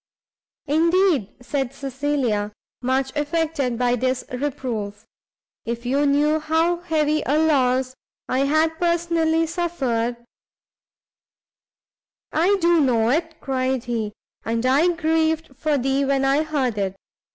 "Indeed," said Cecilia, much affected by this reproof, "if you knew how heavy a loss I had personally suffered " "I do know it," cried he, "and I grieved for thee when I heard it.